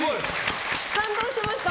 感動しました。